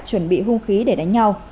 chuẩn bị hung khí để đánh nhau